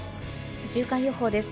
週間予報です。